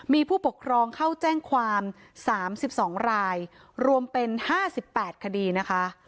มีผู้ปกครองเข้าแจ้งความสามสิบสองรายรวมเป็นห้าสิบแปดคดีนะคะ